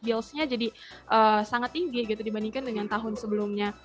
billsnya jadi sangat tinggi gitu dibandingkan dengan tahun sebelumnya